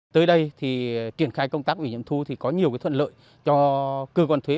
tới đây thì triển khai công tác ủy nhiệm thu thì có nhiều thuận lợi cho cơ quan thuế